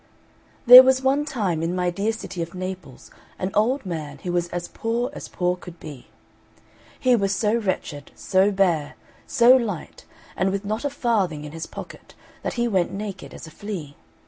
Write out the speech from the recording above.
There was one time in my dear city of Naples an old man who was as poor as poor could be. He was so wretched, so bare, so light, and with not a farthing in his pocket, that he went naked as a flea.